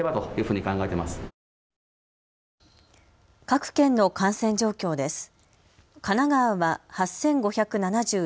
各県の感染状況です。